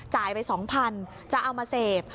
จ่ายไป๒๐๐๐บาทจะเอามาเซฟ